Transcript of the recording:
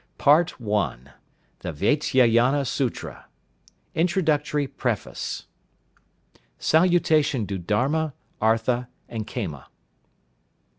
PART I. THE VATSYAYANA SUTRA. INTRODUCTORY PREFACE. SALUTATION TO DHARMA, ARTHA AND KAMA.